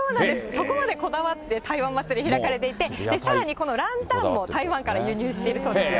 そこまでこだわって、台湾祭開かれていて、さらにこのランタンも台湾から輸入しているそうですよ。